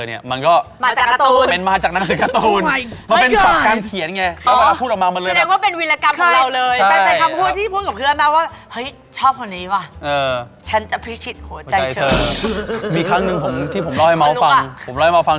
มีครั้งนึงซักทายที่ผมรอให้เมาล์ฟัง